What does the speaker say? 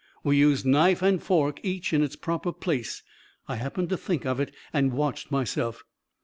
"We used knife and fork, each in its proper place. I happened to think of it and watched myself.